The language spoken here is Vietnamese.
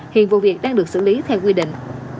hiện vụ việc đang được xử lý theo quy định